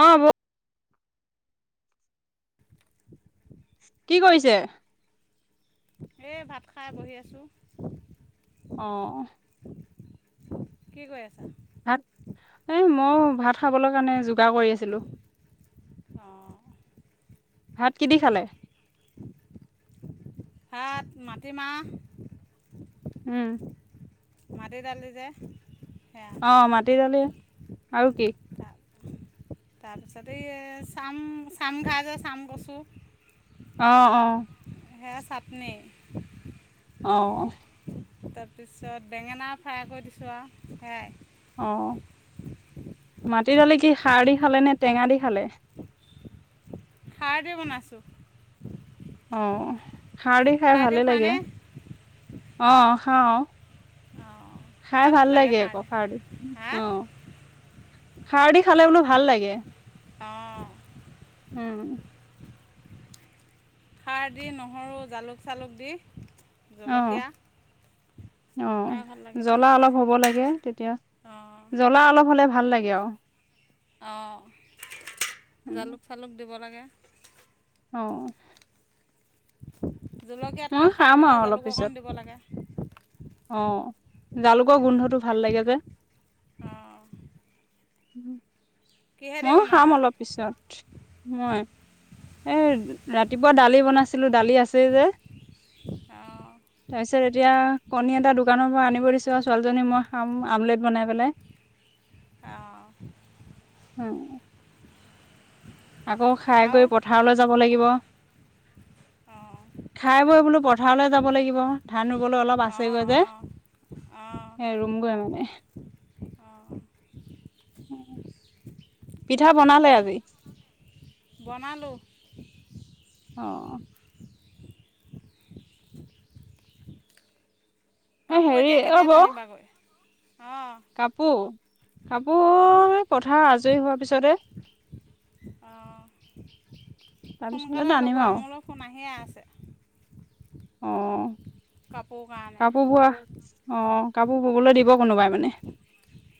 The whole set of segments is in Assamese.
অ', বো। কি কৰিছে। এই ভাত খাই বহি আছো। অ কি কৈ আছ। ভাত এই মই ভাত খাবলৈ কাৰণে যোগাৰ কৰি আছিলো। অঁ ভাত কি দি খালে। ভাত মাটিমাহ। উম। মাটি দালি যে সেয়া অ', মাটি দালি আৰু কি। তাৰ তাৰপিছত এই চাম চামঘাঁ যে চাম কচু। আহ অ। সেয়া চাটনি। অ। তাৰপিছত বেঙেনা ফ্ৰাই কৰি দিছোঁ আৰু সেয়াই। অ। মাটিদালি কি খাৰ দি খালে নে টেঙা দি খালে। খাৰ দি বনাইছো। অ। খাৰ দি খাই ভালে লাগে। অ', খাওঁ। খাই ভাল লাগে আকৌ খাৰ দি হা অ। খাৰ দি খালে বোলো ভাল লাগে। অঁ উম। খাৰ দি নহৰু জালুক চালুক দি অ জলকীয়া অ খাই ভাল লাগে জ্বলা তেনেকৈ অলপ হ'ব লাগে তেতিয়া অঁ জ্বলা অলপ হ'লে ভাল ভাল লাগে আৰু। অঁ উম জালুক চালুক দিব লাগে [inaudible] অ মই জলকীয়াতকৈ খাৰ খাম দিলে আৰু অলপ জালুক পিছত অকণ দিব লাগে অ জালুকৰ গোন্ধটো ভাল লাগে যে অঁ কিহেদি ময়ো খাম বনাইছা অলপ পিছত মই! এই ৰাতিপুৱা দালি বনাইছিলোঁ দালি আছেই যে অঁ তাৰপিছত এতিয়া কণী এটা দোকানৰ পৰা আনিব দিছোঁ আৰু ছোৱালীজনী মই খাম আমলেট বনাই পেলাই। অঁ। উম। আকৌ খাই আৰু গৈ পথাৰলে যাব লাগিব অঁ খাই বৈ বোলো পথাৰলে যাব লাগিব ধান ৰুব ৰুবলৈ অলপ অঁ আছেগৈ অঁ যে! অঁ সে ৰুম গৈ আৱ মানে। অঁ পিঠা বনালে আজি? বনালোঁ। অ। এই কাপোৰ হেৰি এতিয়া অ কেতিয়া বৌ টানিবাগৈ? অঁ কাপোৰ! অঁ কাপোৰ পথাৰ আজৰি হোৱা তাৰ পিছতে। অঁ। তাৰপিছতে সোনকালে টানিম লগোৱা মোৰো ফোন আহিয়ে আছে। অঁ। কাপোৰ কাৰনেই অঁ কাপোৰ ববলৈ দিব কোনোবাই মানে?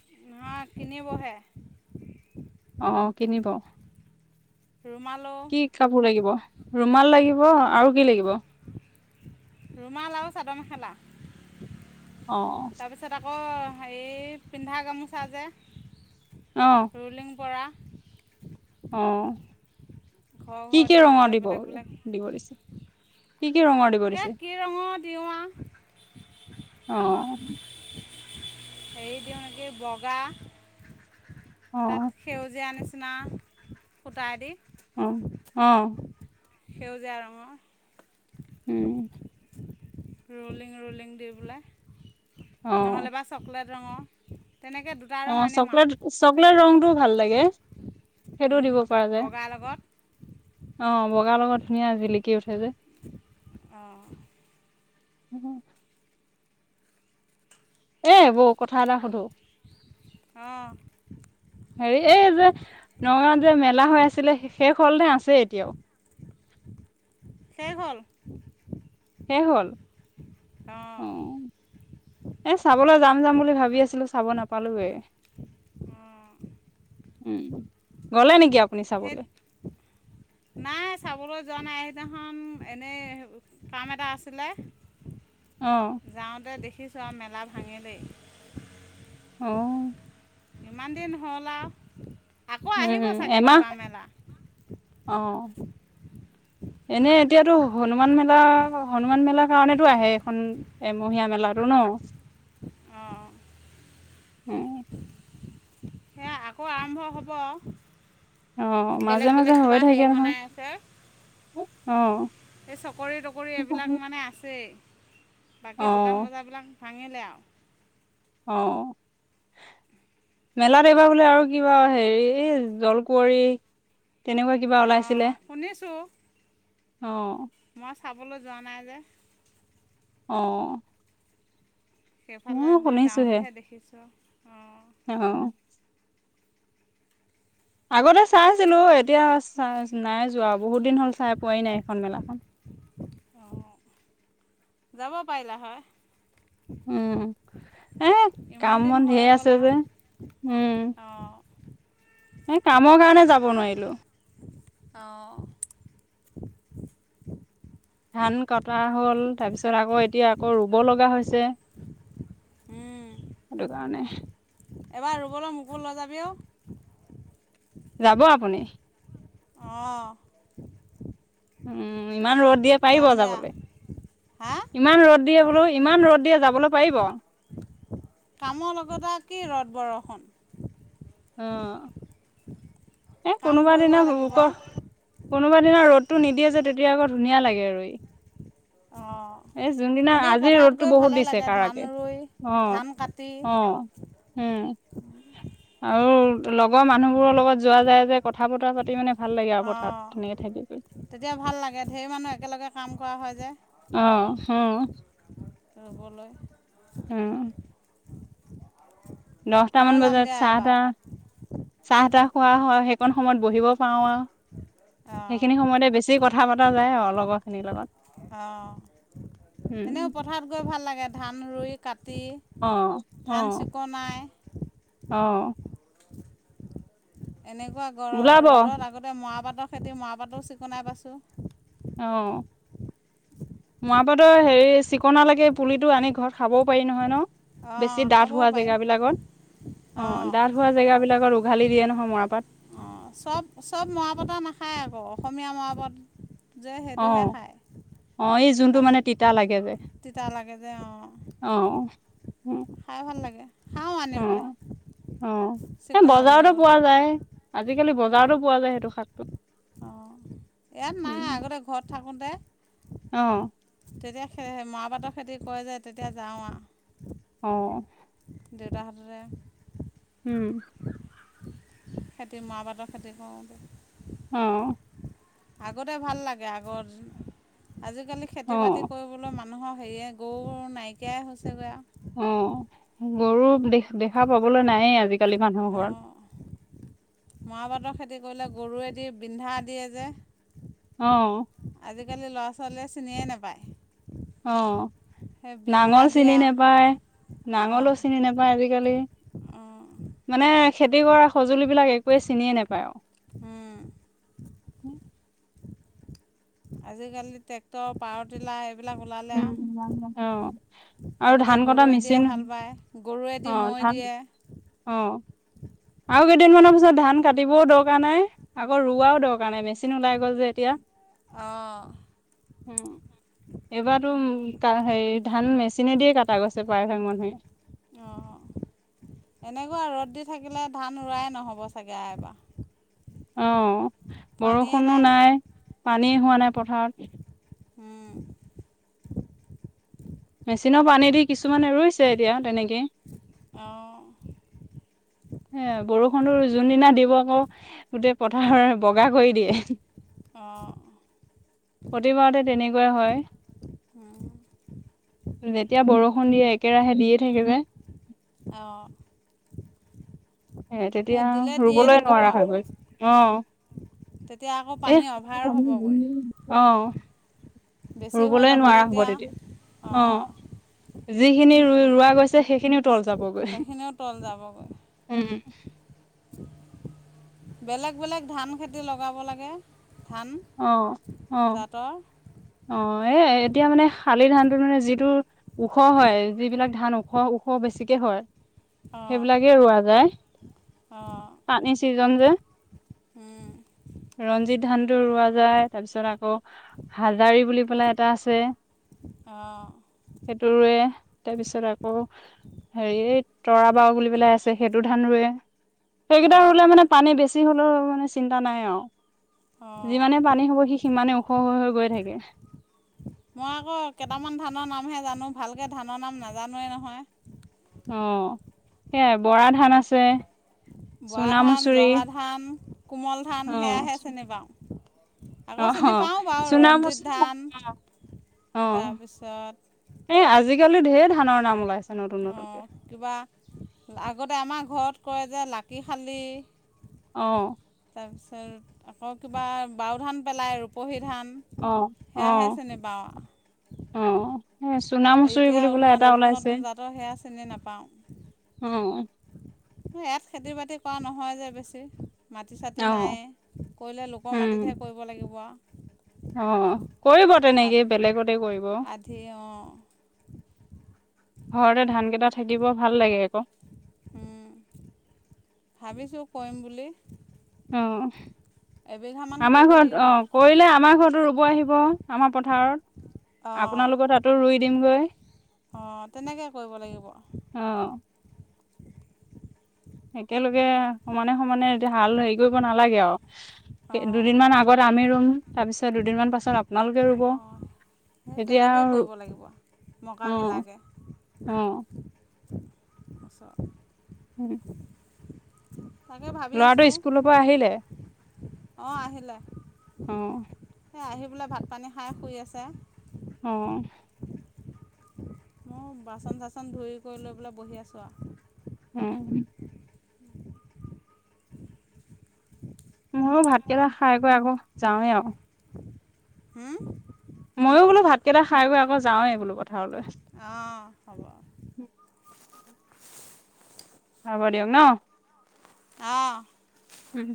অঁ নহয় কিনিবহে অঁ কিনিব। ৰুমালো কি কাপোৰ লাগিব? ৰুমাল লাগিব আৰু কি লাগিব? ৰুমাল আৰু চাদৰ মেখেলা অ তাৰ পিছত আকৌ হেৰি পিন্ধা গামোচা যে অ ৰোলিং পৰা অঁ ঘৰ কি ঘৰ দি কি ৰংৰ পেলাই দিব ব বেলেগ বেলেগ দিব দিছে কি কি ৰঙৰ দিব সেই দিছে কি ৰঙৰ দিওঁ আৰু অঁ হেৰি দিওঁ নেকি বগা অ তাত সেউজীয়া আনিছে নিচিনা সূতা আদি উম উম সেউজীয়াৰ ৰঙৰ উম ৰলিং ৰলিং দি পেলাই নহ'লে বা চকলেট ৰঙৰ তেনেকৈ দুটা ৰং অঁ আনিম চকলেট আৰু চকলেট ৰংটোও ভাল লাগে কি সেইটো দিব পৰা বগাৰ লগত যায় অঁ বগাৰ লগত ধুনীয়া জিলিকি উঠে যে অঁ হম এ বৌ কথা এটা সুধো অঁ হেৰি এই যে নগাঁও ত যে মেলা হৈ আছিলে শেষ হ'লহে আছেই এতিয়াও শেষহল। শেষহ'ল। অ', এছ চাবলৈ যাম-যাম বুলি ভাবি আছিলো। চাব নাপালোৱে। অঁ উম', গ'লে নেকি আক সেইত নাই চাবলৈ যোৱা নাই সেই সেইদিনাখন এনেই কাম এটা আছিলে। অ যাওঁতে দেখি দেখিছঁ মেলা ভাঙিলেই। অঁ', ইমান দিন হল আৰু। আকৌ আহিব উম চাগে এমাহ কিবা মেলা। অ এনেই এতিয়াতো হনুমান মেলা হনুমান মেলাৰ কাৰণেতো আহে এইখন এমহীয়া মেলাটো ন। অঁ', উম', সেয়া আকৌ আৰম্ভ হ'ব। অ মাজে মাজে বেলেগ-বেলেগ হৈ কিবা থাকে হেৰি নহয় বনাই আছে, অ এই চকৰি-তকৰি এইবিলাক মানে আছেই। অ বাকী দোকান বজাৰ বিলাক ভাঙিলে আৰু। অ', মেলাত এইবাৰ বোলে আৰু কিবা হেৰি এই জলকুঁৱৰী তেনেকুৱা কিবা ওলাইছিলে। অঁ শুনিছোঁ অ', মই চাবলৈ যোৱা নাই যে। অ', মই সেইফালেদি যাওঁতেহে দেখিছো। অ', অহ', আগতে চাই আছিলো এতিয়া নাই যোৱা বহুত দিন হ'ল চাই পোৱাই নাই এইখন মেলাখন। অঁ যাব পাৰিলা হয়। উম [inaudible] এ ইমান কাম দিন বন হৈ ধেই গ'ল আছে যে আৰু উম। অঁ এই কামৰ কাৰণে যাব নোৱাৰিলোঁ। অঁ', ধান কটা হ'ল তাৰপিছত আকৌ এতিয়া আকৌ ৰুব লগা হৈছে। উম, সেইটো কাৰণে। এবাৰ ৰুবলৈ মোকো লৈ যাবি ও। যাব আপুনি? অঁ। উম। ইমান ৰ'দ দিয়ে পাৰিব যাম দিয়া যাবলৈ? হা ইমান ৰ'দ দিয়ে বোলো ইমান ৰ'দ দিয়ে যাবলৈ পাৰিব? কামৰ লগত কি ৰ'দ বৰষুণ। অঁ। এ কাম কোনোবা দিনা কৰিবই [unintelligible] লাগিব ক কোনোবা দিনা ৰ'দটো নিদিয়ে যে তেতিয়া আকৌ ধুনীয়া লাগে ৰুই। অঁ এই যোনদিনা এনেও আজি পথাৰত ৰ'দটো গৈ বহুত ভালে দিছে লাগে ধান কাৰাকে, ৰুই অঁ ধান কাটি অঁ উম' আৰু লগৰ মানুহবোৰৰ লগত য যোৱা যাই-যাই কথা-বতৰা পাতিব নে অঁ, তেতিয়া ভাল লাগে, ঢেৰ মানুহ একেলগে কাম কৰা হয় যে। অ', হ। ৰুবলৈ উম। দহটামান ময়ো যাম বজাত দিয়া এবাৰ চাহ-তাহ চাহ-তাহ খোৱা হয়। সেইকণ সময়ত বহিব পাৰো আৰু অঁ সেইখিনি সময়তে বেছি কথা পতা যায়। অ', লগৰখিনিৰ লগত, অঁ উম। এনেও পথাৰত গৈ ভাল লাগে ধান ৰুই, কাট তি, অ অ ধান চিকনাই অ। এনেকুৱা ওলাব গৰ-ৰদত আগতে মৰাপাট তৰ খেতি মৰাপাট‌ও চিকণাই পাইছোঁ। অ। মৰাপাটৰ হেৰি চিকনালকে, পুলিটো আনি ঘৰত খাবও পাৰি নহয় ন? অঁ বেছি ডাঠ খাবও হোৱা পাৰি জেগাবিলাকত, অ', অঁ ডাঠ হোৱা জেগাবিলাকত উঘালি দিয়ে নহয় মৰাপাট। অঁ চব চব মৰাপাটৰ নাখায় আকৌ অসমীয়া মাৰাপাট যে সেইটোহে খায় অ', এই যোনটো মানে ভাজি। তিতা লাগে যে তিতা লাগে যে অ। অ', অ', খাই ভাল লাগে। খাওঁ আনি পেলাই। অ', অ', এ চিকুণাবলৈ বজাৰতো গ'লে পোৱা যায়। আজি আজিকালি বজাৰতো পোৱা যায়, সেইটো শাকতো। অ', ইয়াত নাই, আগতে ঘৰত থাকোতে। অ। তেতিয়া খেৰ-মৰাপাটৰ খেতি কৰে, যে তেতিয়া যাওঁ আও। অ। দেউতাহঁতে। উম। [inaudible] খেতি মৰাপাটৰ খেতি কৰোঁ। অ। আগতে ভাল লাগে, আগৰ। আজিকালি খেতি-বাতি অ', কৰিবলো মা। মানুহৰ হেৰিয়ে গৰু-গৰু নাইকিয়াই হৈছে গৈ আও। অ', গৰু দে-দেখা পাবলৈ নায়ে আজি। কালি মানুহৰ ঘৰত। মৰা পাটৰ খেতি কৰিলে গৰুৱেদি বিন্ধা দিয়ে যে। অ। আজিকালি ল'ৰা ছোৱালীয়ে চিনিয়ে নাপায়। অ', সেই বিন্ধা নাঙল চিনি দিয়া নোপায়, নাঙলো অঁ চিনি নোপায় আজিকালি, অঁ মানে খেতি কৰা সঁজুলিবিলাক এক। [inaudible] চিনিয়ে নোপায় আও। আজিকালি ট্ৰেক্টৰ পাৱাৰ টিলাৰ। বিলাক ওলালে উম, আও অ', আৰু আগতে ধান কটা গৰুৱে দিয়ে মেচিন হাল বায়, গৰুৱে দি অ', মৈ ধান দিয়ে। অ', আৰু কেইদিনমানৰ পিছত ধান কাটিবও দৰকাৰ নাই, আকৌ ৰোৱাও দৰকাৰ নাই মেচিন ওলাই গ'ল যে এতিয়া। অ। উম। এইবাটো কাঁ হেই ধান মেচিনে দিয়ে কাট। কাগজছে পায় [unintelligible] অ', এনেকুৱা ৰ'দ দি থাকিলে ধান ৰোৱাই নহ'ব চাগে এবাৰ। অ', বৰষুণো নাই, পানী হোৱা নাই পথাৰত। উম। [inaudible] মেচিনৰ পানী দি কিছুমানে ৰুইছে এতিয়া তেনেকেই। অ। [inaudible] হে বৰষুণৰ যোনদিনা দিব আকৌ। গোটেই পথাৰ বগা। কৰি দিয়ে। অঁ প্ৰতিবাৰতে তেনেকুৱাই হয়, যেতিয়া বৰষুণ দিয়ে একেৰাহে দিয়ে থাকে যে। অ। [inaudible] এ তেতিয়া ৰুবলৈ নোৱাৰা আৰু হৈ গৈ অ', তেতিয়া আকৌ পানী অভাৰ হ'বগৈ এ অ। বেছি হৈ ৰুবলৈ যাব নোৱাৰা হ'ব যেতিয়া তেতিয়া অ', অঁ যিখিনি ৰুই ৰোৱা গৈছে সেইখিনিও। তল সেইখিনিও তল যাবগৈ। উম। বেলেগ বেলেগ ধান খেতি লগাব লাগে। ধান অ অ জাতৰ। অ', এ এতিয়া মানে শালি ধানটো মানে যিটো ওখ হয় যিবিলাক ধান ওখ ওখ বেছিকে হয়। অঁ সেইবিলাকে ৰোৱা যায় অঁ পানী ছিজন যে ৰঞ্জিত ধানতটো ৰোৱা যায় তাৰ পিছত আকৌ। হাজাৰ বুলি পেলাই এটা আছে অঁ সেইটো তাৰপিছত আকৌ হেৰি এই তৰা বাও বুলি পেলাই আছে সেইটো ধান ৰুৱে। সেইকেইটা অঁ ৰুলে মানে পানী বেছি হলেও মোৰ চিন্তা নাই আৰু। অঁ যিমানে পানী হ'ব সিমানে ওখ হৈ হৈ গৈঠাকিব। মই আকৌ কেইটামান ধানৰ নামহে জানো ভালকে ধানৰ নাম নাজানোৱে নহয়। সেয়াই বৰা ধান আছে, আছে বৰা চুনা ধান মচৰি, জহা ধান কোমল ধান, সেয়াহে চিনি পাওঁ অ আকৌ অ চিনি পাওঁ বাৰু চুনা ৰঞ্জিত মচুৰি অ ধান অ তাৰপিছত! এই আজিকালি ঢেৰ ধানৰ নাম? ওলাইছে ন ন নপীয়া [unintelligible] তাতে আমাৰ ঘৰত কৰে যে লাকিশালী! আহ তাৰপিছত আকৌ কিবা বাও ধান পেলাই ৰূপহী ধান আহ সেয়াহে আহ চিনি পাওঁ আহ। এ চুনা মচুৰি বিবোলে এটা ওলাইছে! চনে নাপাওঁ। অ। ইয়াত খেতি বাতি কৰা নহয় যে বেছি মাটি চাটি অ নাই কৰিলে লোকৰ মাটিতহে কৰিব লাগিব। অঁ কৰিব তেনেকে আৰু বেলেগতে কৰিব আধি অঁ ঘৰতে ধান কেইটা থাকিব ভাল লাগে আকৌ। ভাবিছোঁ কৰিম বুলি অ এবিঘামান আমাৰ কৰিব ঘৰত লাগিব অ কৰিলে আমাৰ ঘৰতো ৰুব আহিব আমাৰ পথাৰত অঁ আপোনালোক তাতো ৰুই দিমগৈ। অঁ তেনেকে কৰিব লাগিব। অ একেলগে সমানে সমানে এতিয়া হাল হেৰি কৰিব নালাগে আৱ দুদিন মান আগত আমি ৰুম তাৰপিছত দুদিনমান পাছত আপোনালোকে ৰুব অঁ সেই তেতিয়া তেনেকৈয়ে কৰিব লাগিব মকা অঁ মিলাকৈ অঁ! আছা হয় [inaudible] ল'ৰাটো স্কুলৰ পৰা আহিলে? অ আহিলে অ এ আহিব। বোলে ভাত পানী খাই শুই আছে অ- মও বাচন চাচন ধুই কৰি লৈ পেলাই বহি আছো আৱ উম ময়ো ভাতকেইটা খাই কৈ আকৌ যাওঁৱে আৱ হো ময়ো বোলো ভাত কেইটা খাই কৈ আকৌ যাৱো বোলো পথাৰলে অ হ'ব হ'ব দিয়ক ন অহ উম